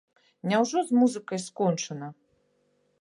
Няўжо з музыкай скончана?